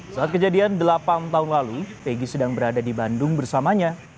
saat kejadian delapan tahun lalu egy sedang berada di bandung bersamanya